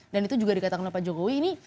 dan itu juga dikatakan oleh pak jokowi ini